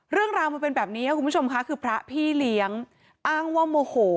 เรื่องราวมันเป็นแบบนี้ค่ะคุณผู้ชมค่ะคือพระพี่เลี้ยงอ้างว่าโมโห